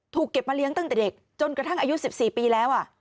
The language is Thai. เก็บมาเลี้ยงตั้งแต่เด็กจนกระทั่งอายุ๑๔ปีแล้ว